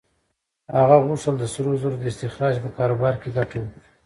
هغه غوښتل د سرو زرو د استخراج په کاروبار کې ګټه وکړي.